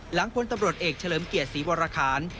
หลังควรตำรวจเอกเฉลิมเกียรติศรีวรรคาน